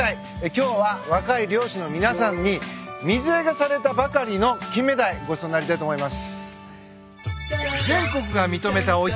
今日は若い漁師の皆さんに水揚げされたばかりのキンメダイごちそうになりたいと思います。